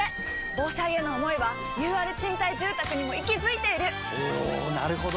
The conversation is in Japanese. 防災への想いはＵＲ賃貸住宅にも息づいているおなるほど！